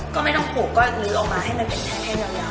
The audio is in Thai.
ก็ไม่ต้องผูกก็ลื้อออกมาให้มันเป็นแท็กให้ยาว